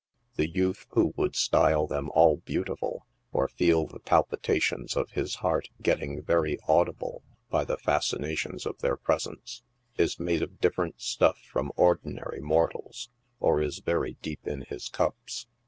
The youth who would style them all beautiful, or feel the palpita tions of his heart getting very audible by the fascinations of their presence, is made of different stuff from ordinary mortals, or is very deep in his cups.